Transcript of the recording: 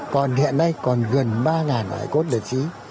còn hiện nay còn gần ba hải cốt đất trí